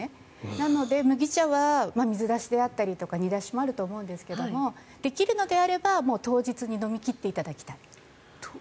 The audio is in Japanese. なので、麦茶は水出しであったり煮出しもあると思うんですができるのであれば当日に飲み切っていただきたい。